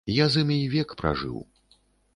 Я з імі век пражыў.